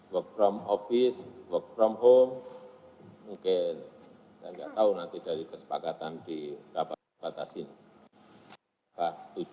work from office work from home mungkin saya nggak tahu nanti dari kesepakatan di rapat terbatas ini